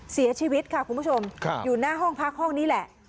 เสียชีวิตค่ะคุณผู้ชมอยู่หน้าห้องพักห้องนี้แหละ